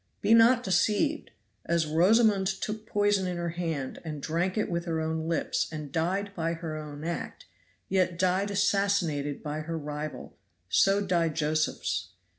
Be not deceived! As Rosamond took poison in her hand, and drank it with her own lips, and died by her own act, yet died assassinated by her rival so died Josephs.